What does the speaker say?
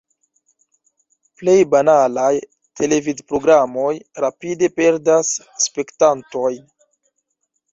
Plej banalaj televidprogramoj rapide perdas spektantojn.